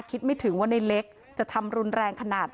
คิดไม่ถึงว่าในเล็กจะทำรุนแรงขนาด